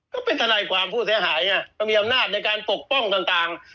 ก็เป็นทนายความผู้เสียหายก็มีอำนาจในการปกป้องต่าง